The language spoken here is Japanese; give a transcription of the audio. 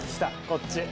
こっち。